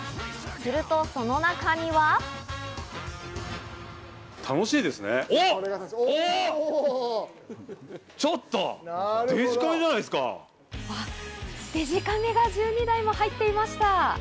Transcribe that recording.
すると、その中には。デジカメが１２台も入っていました。